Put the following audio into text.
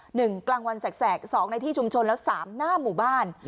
กลางวันแสกสองในที่ชุมชนแล้วสามหน้าหมู่บ้าน